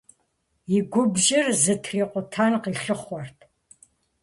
И губжьыр зытрикъутэн къилъыхъуэрт.